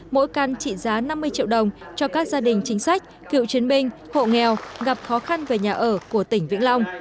mỗi căn trị giá năm mươi triệu đồng cho các gia đình chính sách cựu chiến binh hộ nghèo gặp khó khăn về nhà ở của tỉnh vĩnh long